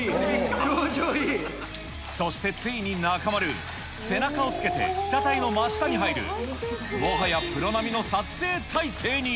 そしてついに中丸、背中をつけて、被写体の真下に入る、もはやプロ並みの撮影態勢に。ＯＫ！